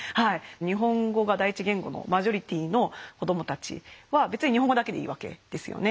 日本語が第一言語のマジョリティーの子どもたちは別に日本語だけでいいわけですよね。